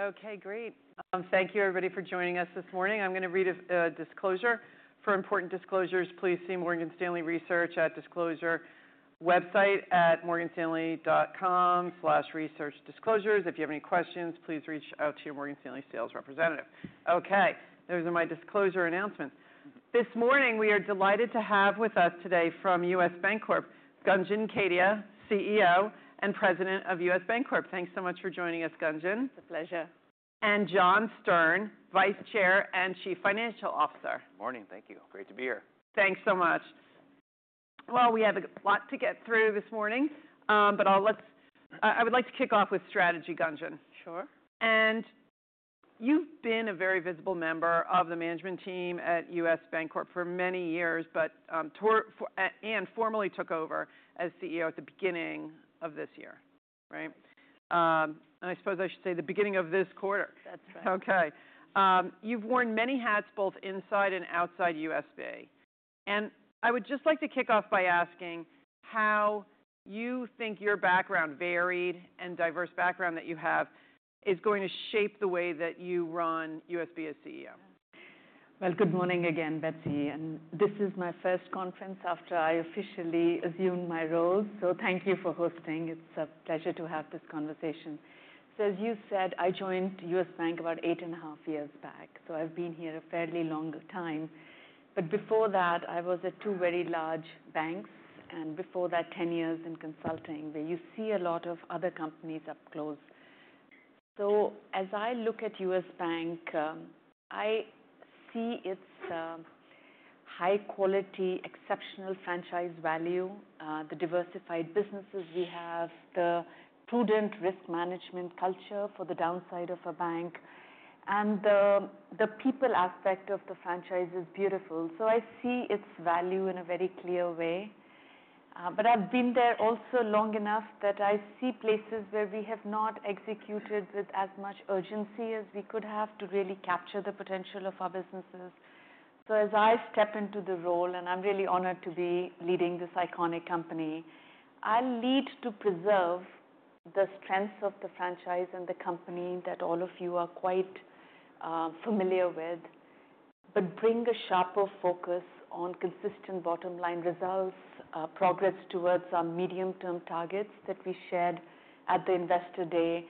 Okay, great. Thank you, everybody, for joining us this morning. I'm going to read a disclosure. For important disclosures, please see Morgan Stanley Research at disclosure website at morganstanley.com/researchdisclosures. If you have any questions, please reach out to your Morgan Stanley sales representative. Okay, those are my disclosure announcements. This morning, we are delighted to have with us today from U.S. Bancorp, Gunjan Kedia, CEO and President of U.S. Bancorp. Thanks so much for joining us, Gunjan. It's a pleasure. John Stern, Vice Chair and Chief Financial Officer. Good morning. Thank you. Great to be here. Thanks so much. We have a lot to get through this morning, but I would like to kick off with strategy, Gunjan. Sure. You've been a very visible member of the management team at U.S. Bancorp for many years, and formerly took over as CEO at the beginning of this year, right? I suppose I should say the beginning of this quarter. That's right. Okay. You've worn many hats, both inside and outside U.S.A. I would just like to kick off by asking how you think your background, varied and diverse background that you have, is going to shape the way that you run U.S.B CEO. Good morning again, Betsy. This is my first conference after I officially assumed my role. Thank you for hosting. It's a pleasure to have this conversation. As you said, I joined U.S. Bank about eight and a half years back. I've been here a fairly long time. Before that, I was at two very large banks, and before that, ten years in consulting, where you see a lot of other companies up close. As I look at U.S. Bank, I see its high quality, exceptional franchise value, the diversified businesses we have, the prudent risk management culture for the downside of a bank, and the people aspect of the franchise is beautiful. I see its value in a very clear way. I've been there also long enough that I see places where we have not executed with as much urgency as we could have to really capture the potential of our businesses. As I step into the role, and I'm really honored to be leading this iconic company, I'll lead to preserve the strengths of the franchise and the company that all of you are quite familiar with, but bring a sharper focus on consistent bottom line results, progress towards our medium term targets that we shared at the Investor Day,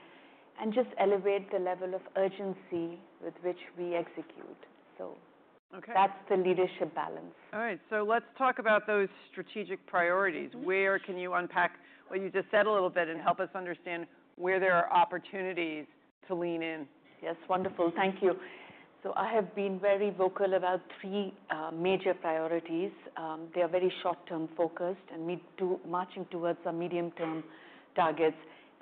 and just elevate the level of urgency with which we execute. That's the leadership balance. Okay. All right. Let's talk about those strategic priorities. Where can you unpack what you just said a little bit and help us understand where there are opportunities to lean in? Yes, wonderful. Thank you. I have been very vocal about three major priorities. They are very short term focused, and we do marching towards our medium term targets.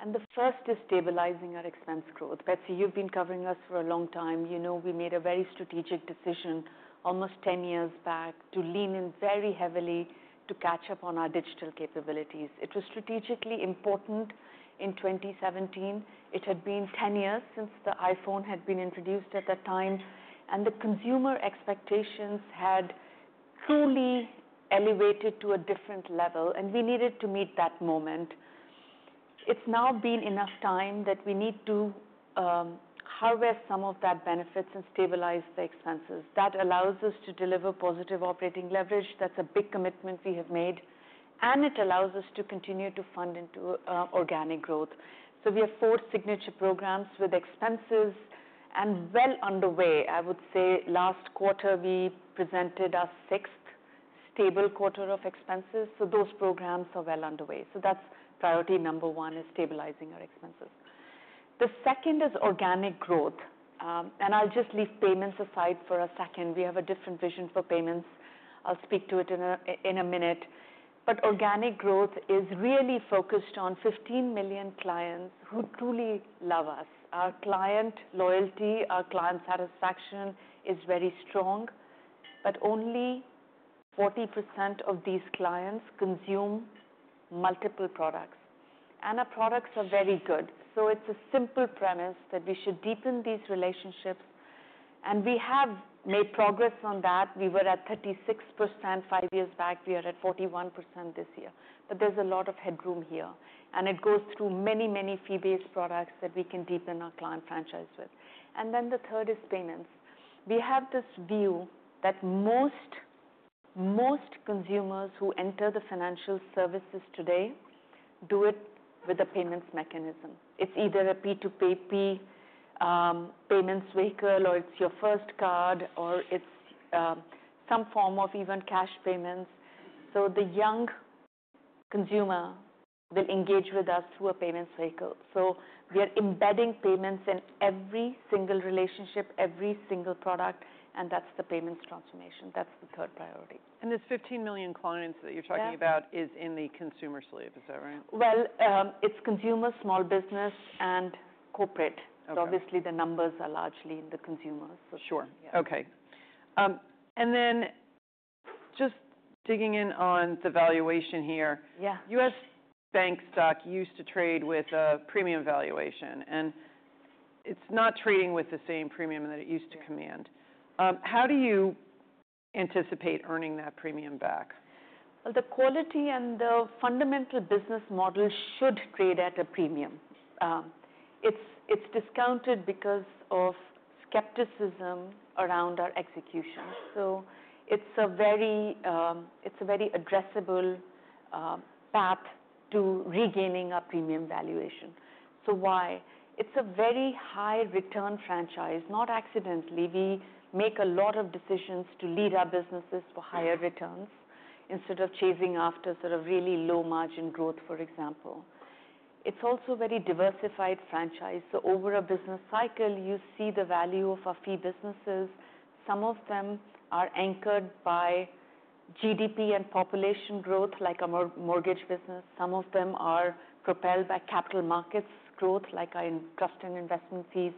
The first is stabilizing our expense growth. Betsy, you've been covering us for a long time. You know, we made a very strategic decision almost ten years back to lean in very heavily to catch up on our digital capabilities. It was strategically important in 2017. It had been ten years since the iPhone had been introduced at that time, and the consumer expectations had truly elevated to a different level, and we needed to meet that moment. It's now been enough time that we need to harvest some of that benefits and stabilize the expenses. That allows us to deliver positive operating leverage. That's a big commitment we have made, and it allows us to continue to fund into organic growth. We have four signature programs with expenses and well underway. I would say last quarter we presented our sixth stable quarter of expenses. Those programs are well underway. That's priority number one, stabilizing our expenses. The second is organic growth. I'll just leave payments aside for a second. We have a different vision for payments. I'll speak to it in a minute. Organic growth is really focused on 15 million clients who truly love us. Our client loyalty, our client satisfaction is very strong, but only 40% of these clients consume multiple products, and our products are very good. It's a simple premise that we should deepen these relationships. We have made progress on that. We were at 36% five years back. We are at 41% this year. There is a lot of headroom here, and it goes through many, many fee-based products that we can deepen our client franchise with. The third is payments. We have this view that most consumers who enter the financial services today do it with a payments mechanism. It is either a P2P payments vehicle, or it is your first card, or it is some form of even cash payments. The young consumer will engage with us through a payments vehicle. We are embedding payments in every single relationship, every single product, and that is the payments transformation. That is the third priority. This 15 million clients that you're talking about is in the consumer sleeve. Is that right? It's consumer, small business, and corporate. Obviously, the numbers are largely in the consumers. Sure. Okay. And then just digging in on the valuation here. U.S. Bank stock used to trade with a premium valuation, and it's not trading with the same premium that it used to command. How do you anticipate earning that premium back? The quality and the fundamental business model should trade at a premium. It's discounted because of skepticism around our execution. It's a very addressable path to regaining our premium valuation. Why? It's a very high return franchise. Not accidentally, we make a lot of decisions to lead our businesses for higher returns instead of chasing after sort of really low margin growth, for example. It's also a very diversified franchise. Over a business cycle, you see the value of our fee businesses. Some of them are anchored by GDP and population growth, like our mortgage business. Some of them are propelled by capital markets growth, like our trust and investment fees.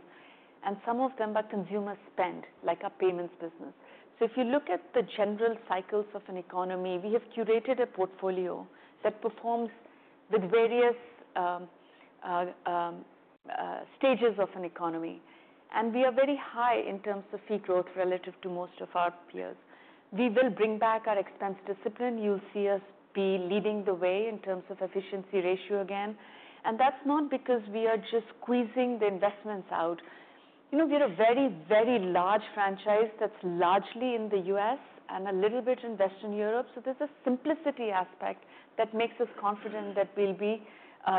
Some of them are consumer spend, like our payments business. If you look at the general cycles of an economy, we have curated a portfolio that performs with various stages of an economy, and we are very high in terms of fee growth relative to most of our peers. We will bring back our expense discipline. You'll see us be leading the way in terms of efficiency ratio again. That's not because we are just squeezing the investments out. You know, we are a very, very large franchise that's largely in the U.S. and a little bit in Western Europe. There's a simplicity aspect that makes us confident that we'll be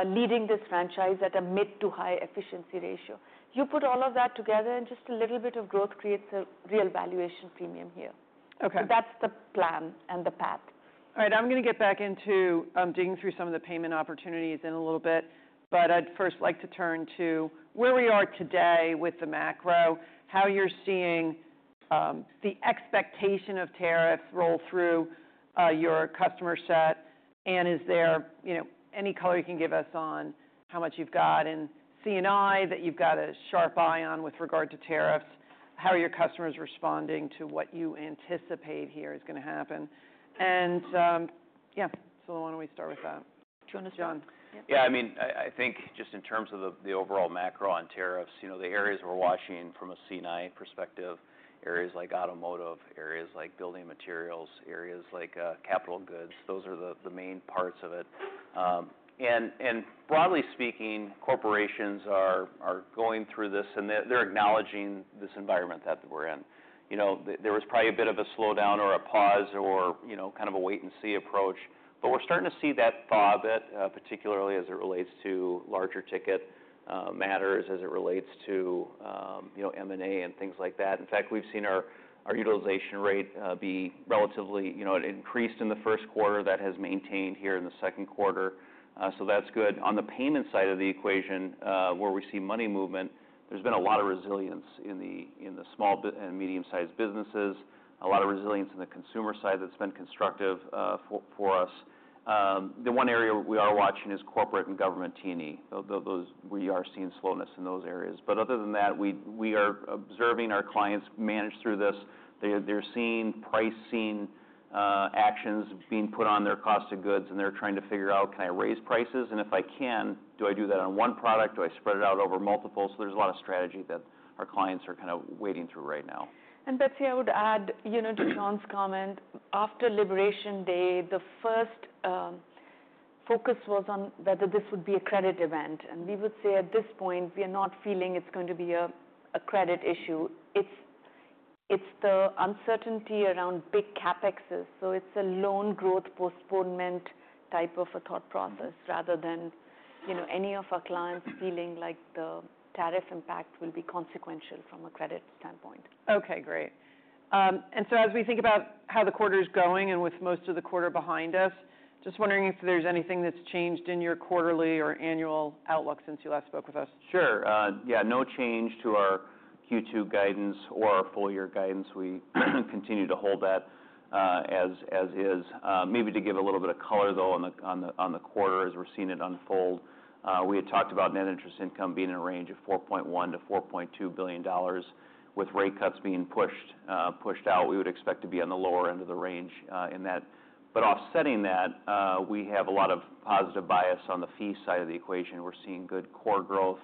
leading this franchise at a mid-to-high efficiency ratio. You put all of that together, and just a little bit of growth creates a real valuation premium here. That's the plan and the path. All right. I'm going to get back into digging through some of the payment opportunities in a little bit, but I'd first like to turn to where we are today with the macro, how you're seeing the expectation of tariffs roll through your customer set, and is there any color you can give us on how much you've got in C&I that you've got a sharp eye on with regard to tariffs? How are your customers responding to what you anticipate here is going to happen? Yeah, why don't we start with that? John. Yeah, I mean, I think just in terms of the overall macro on tariffs, you know, the areas we're watching from a C&I perspective, areas like automotive, areas like building materials, areas like capital goods, those are the main parts of it. Broadly speaking, corporations are going through this, and they're acknowledging this environment that we're in. You know, there was probably a bit of a slowdown or a pause or, you know, kind of a wait and see approach, but we're starting to see that thaw a bit, particularly as it relates to larger ticket matters, as it relates to M&A and things like that. In fact, we've seen our utilization rate be relatively increased in the first quarter that has maintained here in the second quarter. That's good. On the payment side of the equation, where we see money movement, there's been a lot of resilience in the small and medium sized businesses, a lot of resilience in the consumer side that's been constructive for us. The one area we are watching is corporate and government T&E. We are seeing slowness in those areas. Other than that, we are observing our clients manage through this. They're seeing pricing actions being put on their cost of goods, and they're trying to figure out, can I raise prices? And if I can, do I do that on one product? Do I spread it out over multiple? There is a lot of strategy that our clients are kind of wading through right now. Betsy, I would add, you know, to John's comment, after Liberation Day, the first focus was on whether this would be a credit event. We would say at this point, we are not feeling it's going to be a credit issue. It's the uncertainty around big CapExes. It's a loan growth postponement type of a thought process rather than any of our clients feeling like the tariff impact will be consequential from a credit standpoint. Okay, great. As we think about how the quarter is going and with most of the quarter behind us, just wondering if there's anything that's changed in your quarterly or annual outlook since you last spoke with us. Sure. Yeah, no change to our Q2 guidance or our full year guidance. We continue to hold that as is. Maybe to give a little bit of color, though, on the quarter as we're seeing it unfold, we had talked about net interest income being in a range of $4.1 billion-$4.2 billion with rate cuts being pushed out. We would expect to be on the lower end of the range in that. But offsetting that, we have a lot of positive bias on the fee side of the equation. We're seeing good core growth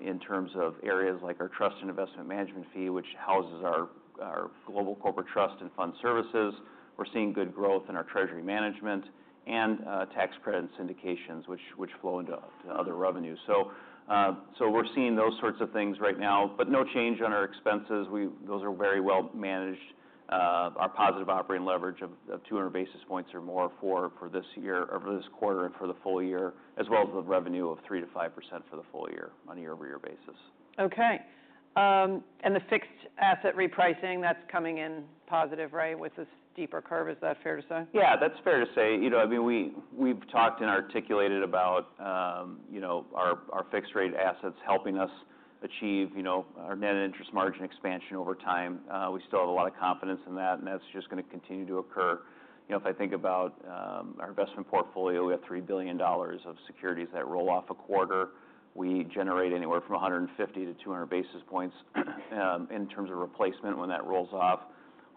in terms of areas like our trust and investment management fee, which houses our global corporate trust and fund services. We're seeing good growth in our treasury management and tax credit and syndications, which flow into other revenues. We're seeing those sorts of things right now, but no change on our expenses. Those are very well managed. Our positive operating leverage of 200 basis points or more for this year or for this quarter and for the full year, as well as the revenue of 3-5% for the full year on a year over year basis. Okay. The fixed asset repricing, that's coming in positive, right, with this deeper curve. Is that fair to say? Yeah, that's fair to say. You know, I mean, we've talked and articulated about our fixed rate assets helping us achieve our net interest margin expansion over time. We still have a lot of confidence in that, and that's just going to continue to occur. You know, if I think about our investment portfolio, we have $3 billion of securities that roll off a quarter. We generate anywhere from 150 to 200 basis points in terms of replacement when that rolls off.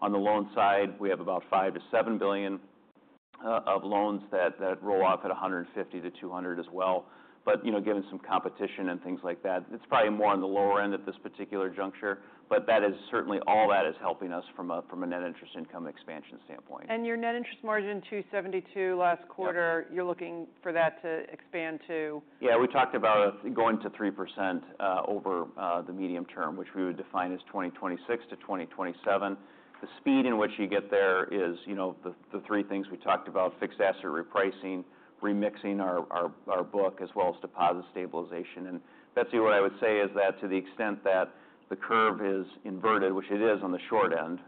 On the loan side, we have about $5 billion to $7 billion of loans that roll off at 150 to 200 basis points as well. You know, given some competition and things like that, it's probably more on the lower end at this particular juncture, but that is certainly all that is helping us from a net interest income expansion standpoint. Your net interest margin to 2.72 last quarter, you're looking for that to expand to. Yeah, we talked about going to 3% over the medium term, which we would define as 2026 to 2027. The speed in which you get there is, you know, the three things we talked about, fixed asset repricing, remixing our book, as well as deposit stabilization. Betsy, what I would say is that to the extent that the curve is inverted, which it is on the short end,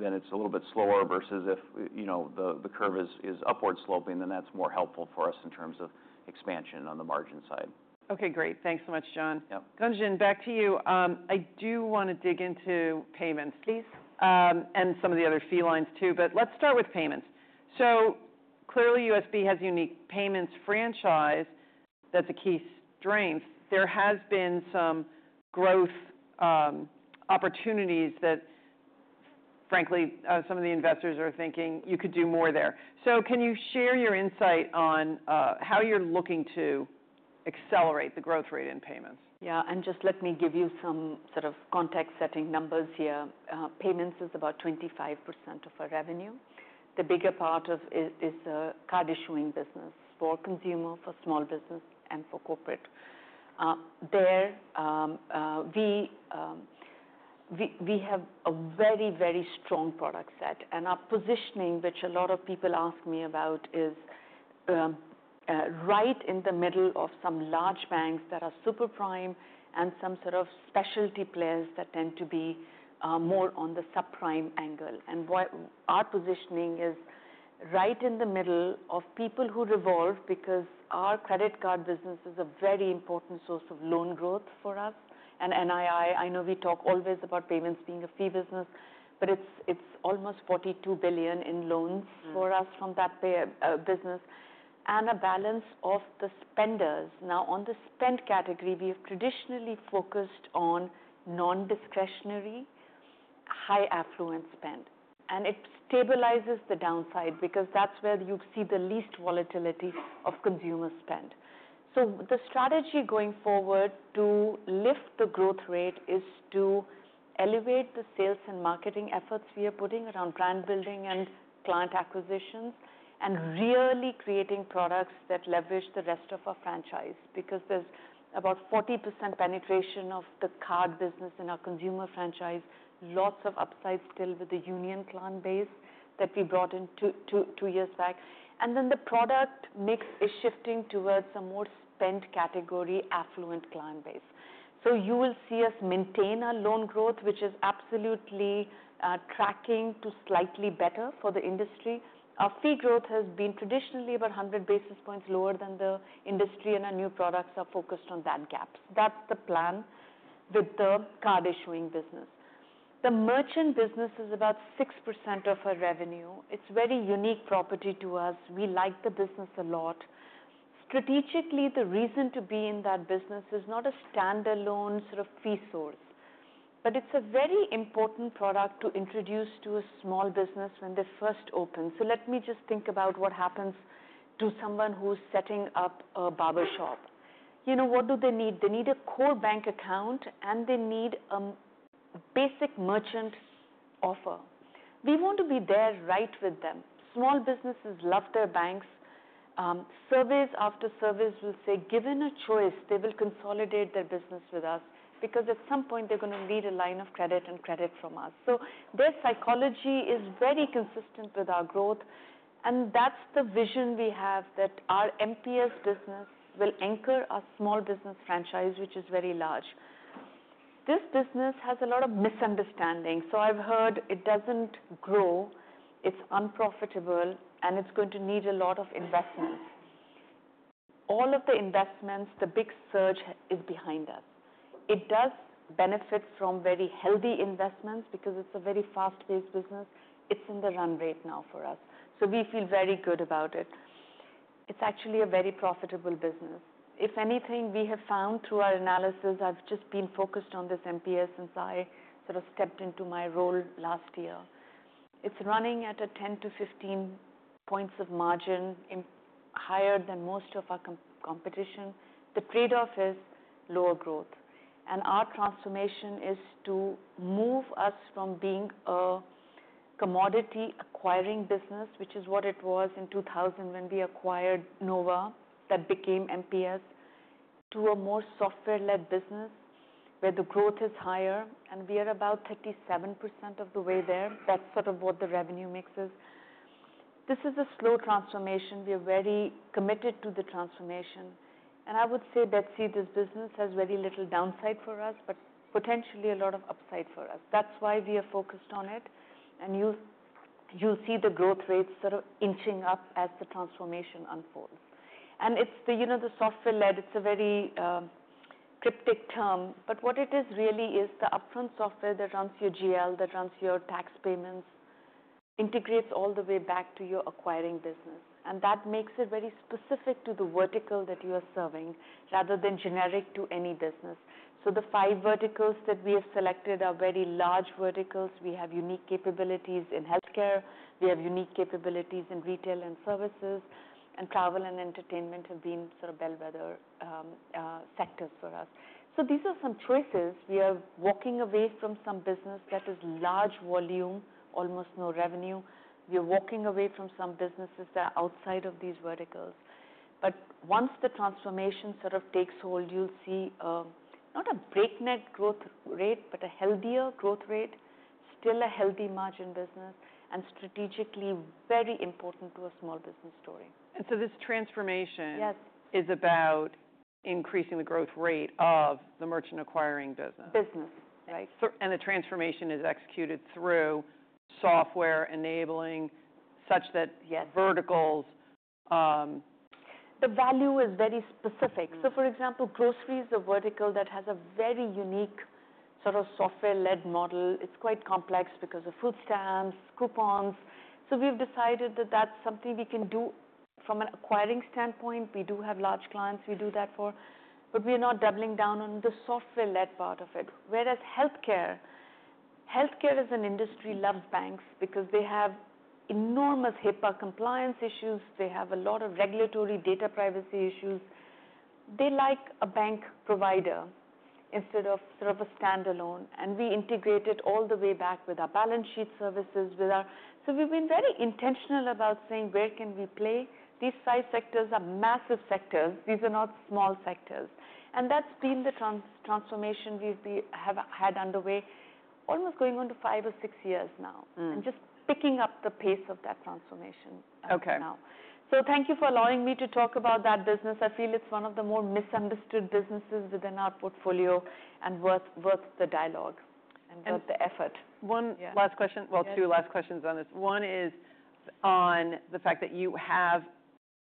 then it's a little bit slower versus if the curve is upward sloping, then that's more helpful for us in terms of expansion on the margin side. Okay, great. Thanks so much, John. Gunjan, back to you. I do want to dig into payments, please, and some of the other fee lines too, but let's start with payments. Clearly U.S.B has a unique payments franchise that's a key strength. There have been some growth opportunities that, frankly, some of the investors are thinking you could do more there. Can you share your insight on how you're looking to accelerate the growth rate in payments? Yeah, and just let me give you some sort of context setting numbers here. Payments is about 25% of our revenue. The bigger part of it is the card issuing business for consumer, for small business, and for corporate. There, we have a very, very strong product set, and our positioning, which a lot of people ask me about, is right in the middle of some large banks that are super prime and some sort of specialty players that tend to be more on the subprime angle. Our positioning is right in the middle of people who revolve because our credit card business is a very important source of loan growth for us. And NII, I know we talk always about payments being a fee business, but it's almost $42 billion in loans for us from that business and a balance of the spenders. Now, on the spend category, we have traditionally focused on non-discretionary, high affluent spend, and it stabilizes the downside because that's where you see the least volatility of consumer spend. The strategy going forward to lift the growth rate is to elevate the sales and marketing efforts we are putting around brand building and client acquisitions and really creating products that leverage the rest of our franchise because there's about 40% penetration of the card business in our consumer franchise, lots of upside still with the Union client base that we brought in two years back. The product mix is shifting towards a more spend category affluent client base. You will see us maintain our loan growth, which is absolutely tracking to slightly better for the industry. Our fee growth has been traditionally about 100 basis points lower than the industry, and our new products are focused on that gap. That is the plan with the card issuing business. The merchant business is about 6% of our revenue. It is a very unique property to us. We like the business a lot. Strategically, the reason to be in that business is not a standalone sort of fee source, but it is a very important product to introduce to a small business when they first open. Let me just think about what happens to someone who is setting up a barbershop. You know, what do they need? They need a core bank account, and they need a basic merchant offer. We want to be there right with them. Small businesses love their banks. Service after service will say, given a choice, they will consolidate their business with us because at some point they're going to need a line of credit and credit from us. Their psychology is very consistent with our growth, and that's the vision we have that our MPS business will anchor our small business franchise, which is very large. This business has a lot of misunderstandings. I've heard it does not grow, it's unprofitable, and it's going to need a lot of investments. All of the investments, the big surge is behind us. It does benefit from very healthy investments because it's a very fast-paced business. It's in the run rate now for us. We feel very good about it. It's actually a very profitable business. If anything, we have found through our analysis, I've just been focused on this MPS since I sort of stepped into my role last year. It's running at a 10-15% margin higher than most of our competition. The trade-off is lower growth, and our transformation is to move us from being a commodity acquiring business, which is what it was in 2000 when we acquired NOVA that became MPS, to a more software-led business where the growth is higher, and we are about 37% of the way there. That's sort of what the revenue mix is. This is a slow transformation. We are very committed to the transformation, and I would say that, see, this business has very little downside for us, but potentially a lot of upside for us. That's why we are focused on it, and you see the growth rates sort of inching up as the transformation unfolds. It is the, you know, the software-led, it's a very cryptic term, but what it is really is the upfront software that runs your GL, that runs your tax payments, integrates all the way back to your acquiring business, and that makes it very specific to the vertical that you are serving rather than generic to any business. The five verticals that we have selected are very large verticals. We have unique capabilities in healthcare. We have unique capabilities in retail and services, and travel and entertainment have been sort of bellwether sectors for us. These are some choices. We are walking away from some business that is large volume, almost no revenue. We are walking away from some businesses that are outside of these verticals. Once the transformation sort of takes hold, you'll see not a breakneck growth rate, but a healthier growth rate, still a healthy margin business, and strategically very important to a small business story. This transformation is about increasing the growth rate of the merchant acquiring business. Business, right. The transformation is executed through software enabling such that verticals. The value is very specific. For example, groceries is a vertical that has a very unique sort of software-led model. It is quite complex because of food stamps, coupons. We have decided that that is something we can do from an acquiring standpoint. We do have large clients we do that for, but we are not doubling down on the software-led part of it. Whereas healthcare, healthcare as an industry loves banks because they have enormous HIPAA compliance issues. They have a lot of regulatory data privacy issues. They like a bank provider instead of sort of a standalone, and we integrated all the way back with our balance sheet services. We have been very intentional about saying where can we play. These five sectors are massive sectors. These are not small sectors. That has been the transformation we have had underway, almost going on five or six years now and just picking up the pace of that transformation now. Thank you for allowing me to talk about that business. I feel it is one of the more misunderstood businesses within our portfolio and worth the dialogue and worth the effort. One last question, well, two last questions on this. One is on the fact that you have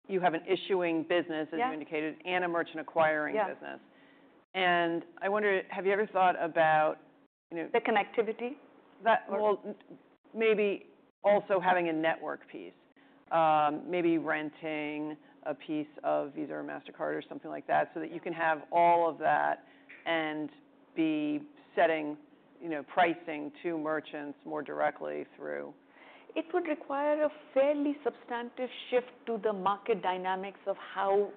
an issuing business, as you indicated, and a merchant acquiring business. I wonder, have you ever thought about. The connectivity? Maybe also having a network piece, maybe renting a piece of VISA or Mastercard or something like that so that you can have all of that and be setting pricing to merchants more directly through. It would require a fairly substantive shift to the market dynamics of how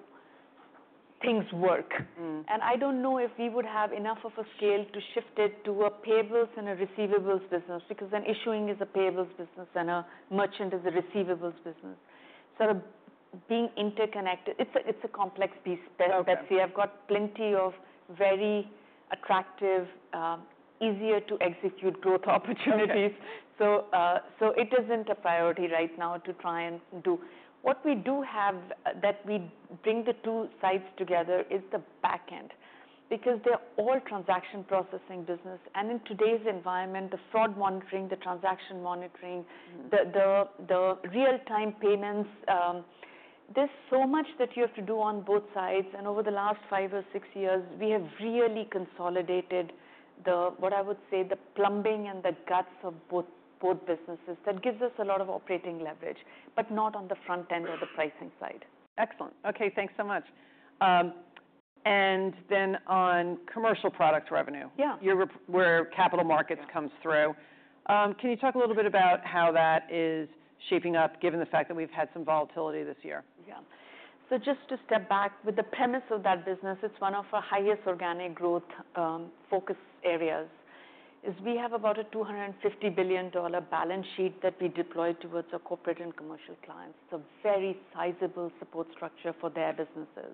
things work. I do not know if we would have enough of a scale to shift it to a payables and a receivables business because an issuing is a payables business and a merchant is a receivables business. Being interconnected, it is a complex piece. Betsy, I have got plenty of very attractive, easier to execute growth opportunities. It is not a priority right now to try and do. What we do have that we bring the two sides together is the backend because they are all transaction processing business. In today's environment, the fraud monitoring, the transaction monitoring, the real-time payments, there is so much that you have to do on both sides. Over the last five or six years, we have really consolidated what I would say the plumbing and the guts of both businesses. That gives us a lot of operating leverage, but not on the front end or the pricing side. Excellent. Okay, thanks so much. Then on commercial product revenue, where capital markets comes through, can you talk a little bit about how that is shaping up given the fact that we have had some volatility this year? Yeah. So just to step back, with the premise of that business, it's one of our highest organic growth focus areas is we have about a $250 billion balance sheet that we deployed towards our corporate and commercial clients. It's a very sizable support structure for their businesses.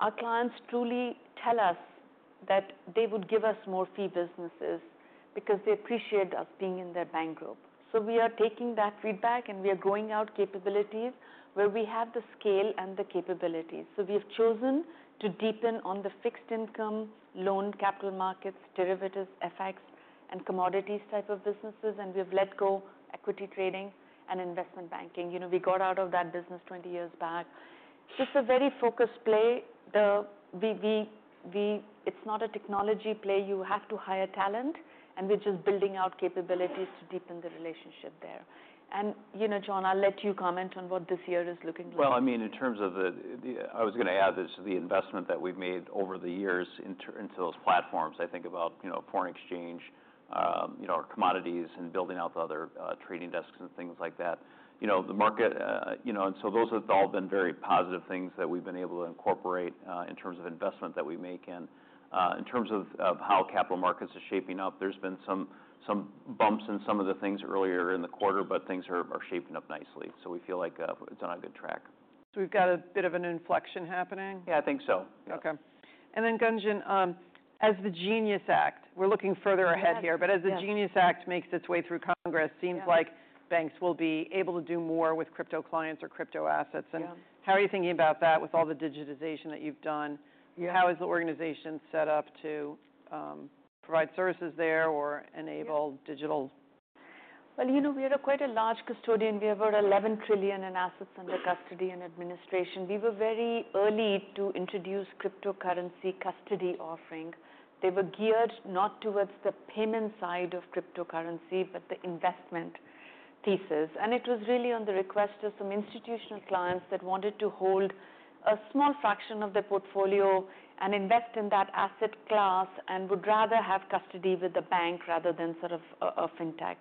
Our clients truly tell us that they would give us more fee businesses because they appreciate us being in their bank group. So we are taking that feedback and we are growing out capabilities where we have the scale and the capabilities. So we have chosen to deepen on the fixed income loan, capital markets, derivatives, FX, and commodities type of businesses, and we have let go equity trading and investment banking. You know, we got out of that business 20 years back. So it's a very focused play. It's not a technology play. You have to hire talent, and we're just building out capabilities to deepen the relationship there. You know, John, I'll let you comment on what this year is looking like. I mean, in terms of the, I was going to add this to the investment that we've made over the years into those platforms, I think about, you know, foreign exchange, you know, our commodities and building out the other trading desks and things like that. You know, the market, and so those have all been very positive things that we've been able to incorporate in terms of investment that we make in. In terms of how capital markets are shaping up, there's been some bumps in some of the things earlier in the quarter, but things are shaping up nicely. We feel like it's on a good track. We've got a bit of an inflection happening. Yeah, I think so. Okay. And then Gunjan, as the GENIUS Act, we're looking further ahead here, but as the GENIUS Act makes its way through Congress, it seems like banks will be able to do more with crypto clients or crypto assets. How are you thinking about that with all the digitization that you've done? How is the organization set up to provide services there or enable digital? You know, we are quite a large custodian. We have about $11 trillion in assets under custody and administration. We were very early to introduce cryptocurrency custody offering. They were geared not towards the payment side of cryptocurrency, but the investment thesis. It was really on the request of some institutional clients that wanted to hold a small fraction of their portfolio and invest in that asset class and would rather have custody with a bank rather than sort of a fintech.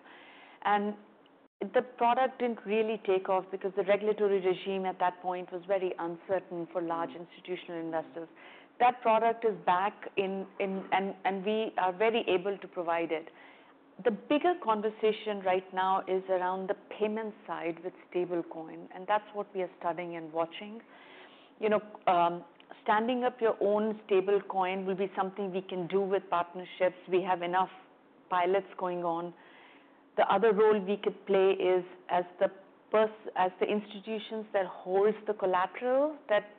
The product did not really take off because the regulatory regime at that point was very uncertain for large institutional investors. That product is back in, and we are very able to provide it. The bigger conversation right now is around the payment side with stablecoin, and that is what we are studying and watching. You know, standing up your own stablecoin will be something we can do with partnerships. We have enough pilots going on. The other role we could play is as the institutions that hold the collateral that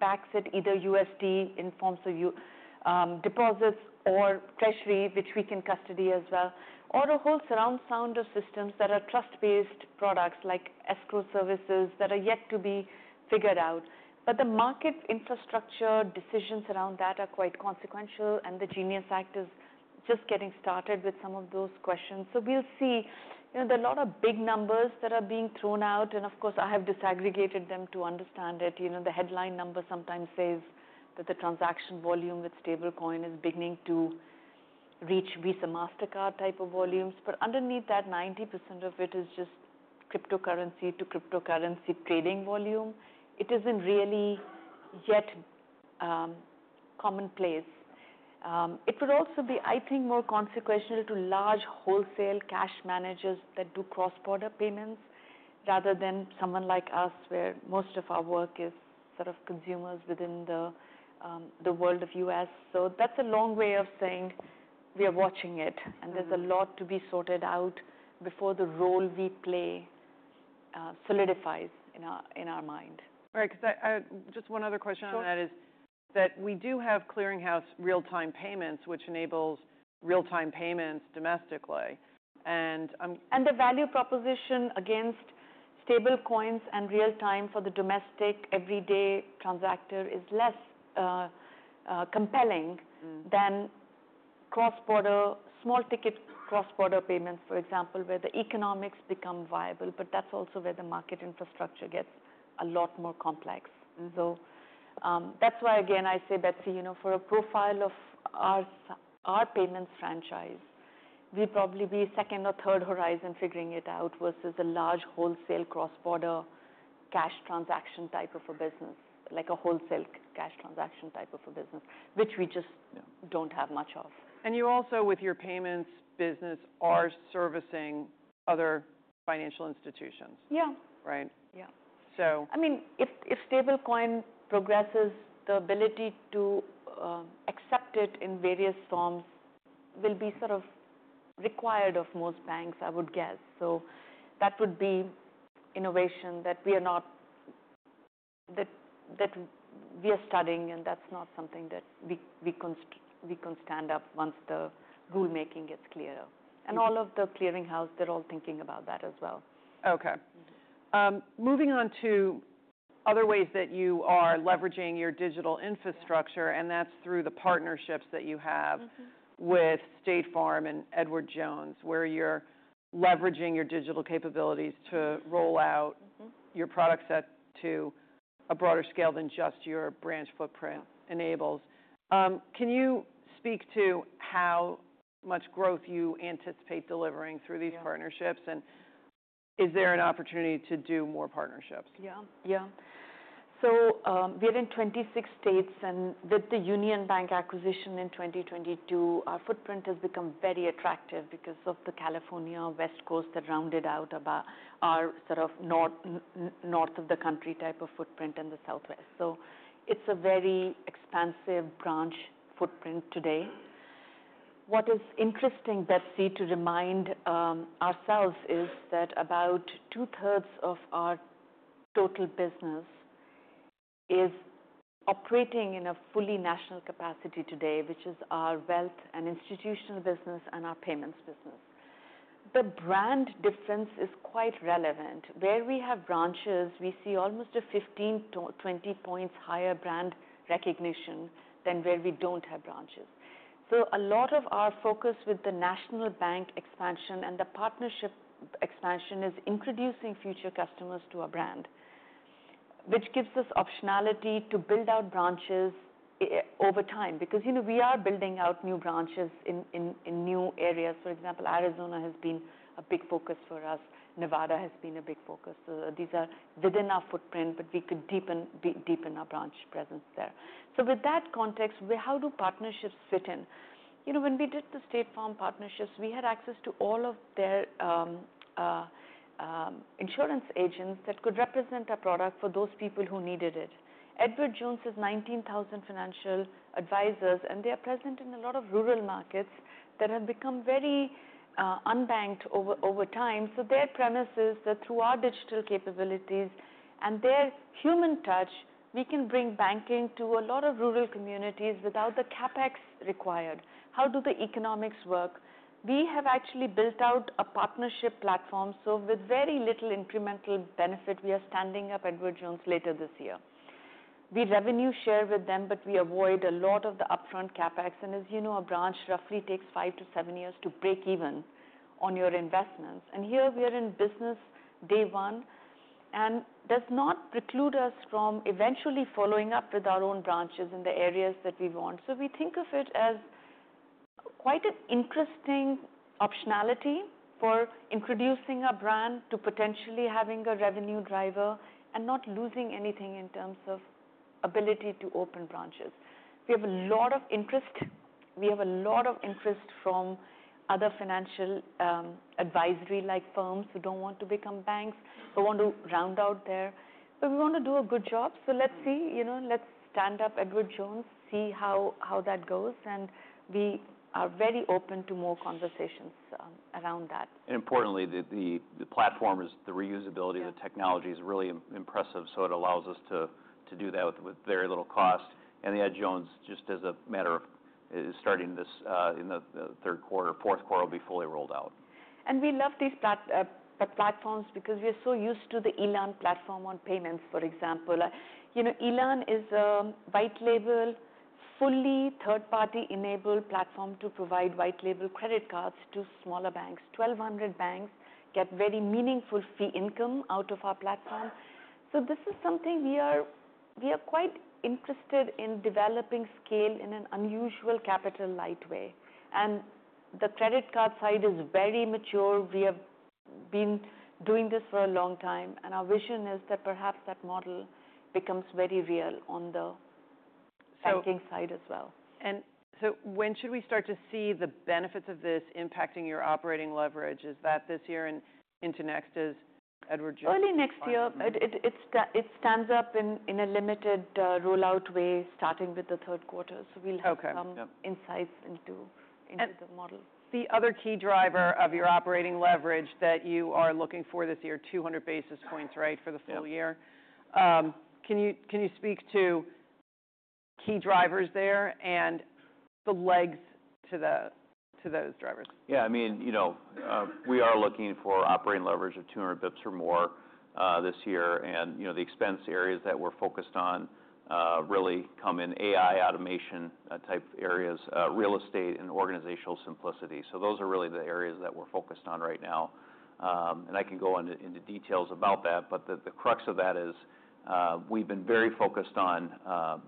backs it, either USD in forms of deposits or treasury, which we can custody as well, or a whole surround sound of systems that are trust-based products like escrow services that are yet to be figured out. The market infrastructure decisions around that are quite consequential, and the GENIUS Act is just getting started with some of those questions. We will see. You know, there are a lot of big numbers that are being thrown out, and of course, I have disaggregated them to understand it. You know, the headline number sometimes says that the transaction volume with stablecoin is beginning to reach VISA Mastercard type of volumes, but underneath that, 90% of it is just cryptocurrency to cryptocurrency trading volume. It isn't really yet commonplace. It would also be, I think, more consequential to large wholesale cash managers that do cross-border payments rather than someone like us, where most of our work is sort of consumers within the world of U.S. So that's a long way of saying we are watching it, and there's a lot to be sorted out before the role we play solidifies in our mind. Right. Because just one other question on that is that we do have clearinghouse real-time payments, which enables real-time payments domestically. The value proposition against stablecoins and real-time for the domestic everyday transactor is less compelling than cross-border, small-ticket cross-border payments, for example, where the economics become viable, but that's also where the market infrastructure gets a lot more complex. That is why, again, I say, Betsy, you know, for a profile of our payments franchise, we'd probably be second or third horizon figuring it out versus a large wholesale cross-border cash transaction type of a business, like a wholesale cash transaction type of a business, which we just do not have much of. You also, with your payments business, are servicing other financial institutions. Yeah. Right? Yeah. So. I mean, if stablecoin progresses, the ability to accept it in various forms will be sort of required of most banks, I would guess. That would be innovation that we are not, that we are studying, and that's not something that we can stand up once the rulemaking gets clearer. All of the clearinghouse, they're all thinking about that as well. Okay. Moving on to other ways that you are leveraging your digital infrastructure, and that's through the partnerships that you have with State Farm and Edward Jones, where you're leveraging your digital capabilities to roll out your products to a broader scale than just your branch footprint enables. Can you speak to how much growth you anticipate delivering through these partnerships, and is there an opportunity to do more partnerships? Yeah. Yeah. We are in 26 states, and with the Union Bank acquisition in 2022, our footprint has become very attractive because of the California West Coast that rounded out our sort of north of the country type of footprint in the Southwest. It is a very expansive branch footprint today. What is interesting, Betsy, to remind ourselves is that about two-thirds of our total business is operating in a fully national capacity today, which is our wealth and institutional business and our payments business. The brand difference is quite relevant. Where we have branches, we see almost a 15%-20% higher brand recognition than where we do not have branches. A lot of our focus with the national bank expansion and the partnership expansion is introducing future customers to our brand, which gives us optionality to build out branches over time because, you know, we are building out new branches in new areas. For example, Arizona has been a big focus for us. Nevada has been a big focus. These are within our footprint, but we could deepen our branch presence there. With that context, how do partnerships fit in? You know, when we did the State Farm partnerships, we had access to all of their insurance agents that could represent our product for those people who needed it. Edward Jones has 19,000 financial advisors, and they are present in a lot of rural markets that have become very unbanked over time. Their premise is that through our digital capabilities and their human touch, we can bring banking to a lot of rural communities without the CapEx required. How do the economics work? We have actually built out a partnership platform. With very little incremental benefit, we are standing up Edward Jones later this year. We revenue share with them, but we avoid a lot of the upfront CapEx. As you know, a branch roughly takes five to seven years to break even on your investments. Here we are in business day one, and it does not preclude us from eventually following up with our own branches in the areas that we want. We think of it as quite an interesting optionality for introducing a brand to potentially having a revenue driver and not losing anything in terms of ability to open branches. We have a lot of interest. We have a lot of interest from other financial advisory-like firms who do not want to become banks, who want to round out their. But we want to do a good job. Let's see, you know, let's stand up Edward Jones, see how that goes. We are very open to more conversations around that. Importantly, the platform is the reusability of the technology is really impressive. It allows us to do that with very little cost. The Ed Jones, just as a matter of starting this in the third quarter, fourth quarter will be fully rolled out. We love these platforms because we are so used to the Elan platform on payments, for example. You know, Elan is a white-label, fully third-party-enabled platform to provide white-label credit cards to smaller banks. One thousand two hundred banks get very meaningful fee income out of our platform. This is something we are quite interested in developing scale in an unusual capital light way. The credit card side is very mature. We have been doing this for a long time, and our vision is that perhaps that model becomes very real on the banking side as well. When should we start to see the benefits of this impacting your operating leverage? Is that this year and into next? Is Edward Jones? Early next year. It stands up in a limited rollout way, starting with the third quarter. We'll have some insights into the model. The other key driver of your operating leverage that you are looking for this year, 200 basis points, right, for the full year. Can you speak to key drivers there and the legs to those drivers? Yeah. I mean, you know, we are looking for operating leverage of 200 basis points or more this year. You know, the expense areas that we're focused on really come in AI automation type areas, real estate, and organizational simplicity. Those are really the areas that we're focused on right now. I can go into details about that, but the crux of that is we've been very focused on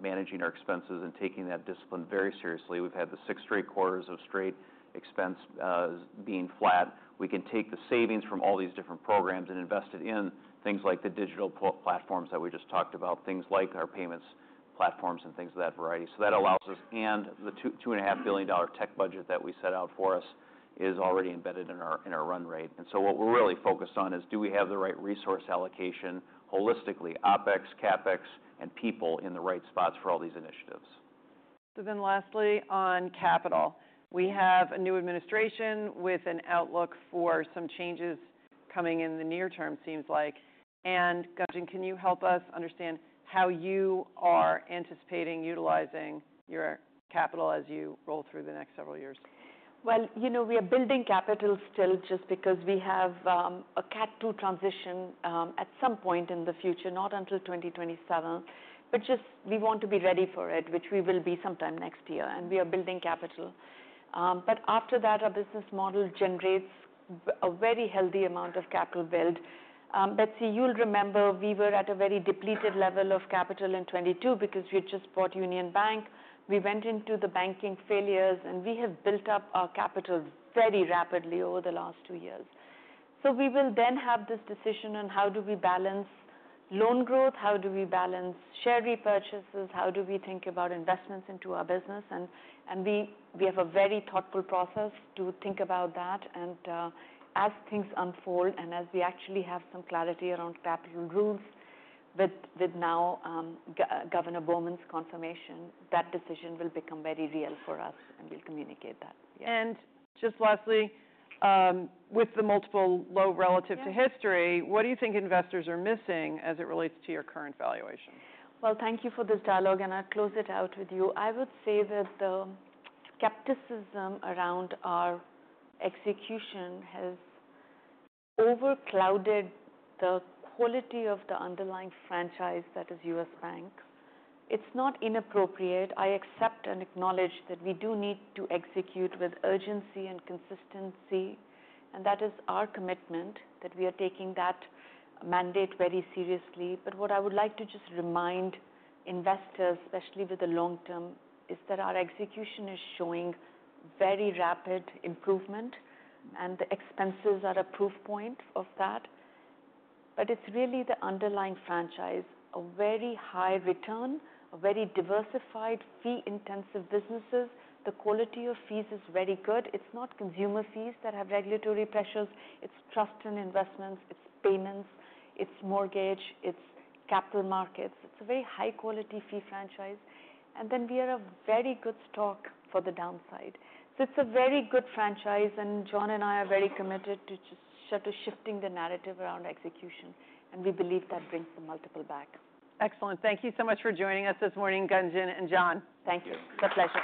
managing our expenses and taking that discipline very seriously. We've had the six straight quarters of straight expense being flat. We can take the savings from all these different programs and invest it in things like the digital platforms that we just talked about, things like our payments platforms and things of that variety. That allows us, and the $2.5 billion tech budget that we set out for us is already embedded in our run rate. What we're really focused on is do we have the right resource allocation holistically, OpEx, CapEx, and people in the right spots for all these initiatives. Lastly, on capital, we have a new administration with an outlook for some changes coming in the near term, seems like. Gunjan, can you help us understand how you are anticipating utilizing your capital as you roll through the next several years? You know, we are building capital still just because we have a CAT2 transition at some point in the future, not until 2027, just we want to be ready for it, which we will be sometime next year. We are building capital. After that, our business model generates a very healthy amount of capital build. Betsy, you'll remember we were at a very depleted level of capital in 2022 because we had just bought Union Bank. We went into the banking failures, and we have built up our capital very rapidly over the last two years. We will then have this decision on how do we balance loan growth, how do we balance share repurchases, how do we think about investments into our business. We have a very thoughtful process to think about that. As things unfold and as we actually have some clarity around capital rules with now Governor Bowman's confirmation, that decision will become very real for us, and we'll communicate that. Just lastly, with the multiple low relative to history, what do you think investors are missing as it relates to your current valuation? Thank you for this dialogue, and I'll close it out with you. I would say that the skepticism around our execution has overclouded the quality of the underlying franchise that is U.S. Bank. It's not inappropriate. I accept and acknowledge that we do need to execute with urgency and consistency, and that is our commitment that we are taking that mandate very seriously. What I would like to just remind investors, especially with the long term, is that our execution is showing very rapid improvement, and the expenses are a proof point of that. It's really the underlying franchise, a very high return, a very diversified, fee-intensive businesses. The quality of fees is very good. It's not consumer fees that have regulatory pressures. It's trust and investments. It's payments. It's mortgage. It's capital markets. It's a very high-quality fee franchise. We are a very good stock for the downside. It is a very good franchise, and John and I are very committed to shifting the narrative around execution, and we believe that brings the multiple back. Excellent. Thank you so much for joining us this morning, Gunjan and John. Thank you. It's a pleasure.